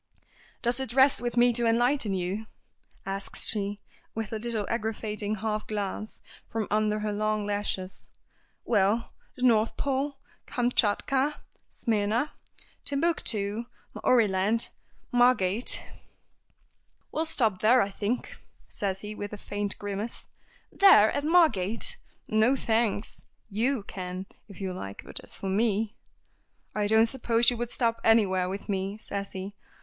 "Does it rest with me to enlighten you?" asks she, with a little aggravating half glance from under her long lashes; "well the North Pole, Kamtschatka, Smyrna, Timbuctoo, Maoriland, Margate " "We'll stop there, I think," says he, with a faint grimace. "There! At Margate? No, thanks. You can, if you like, but as for me " "I don't suppose you would stop anywhere with me," says he.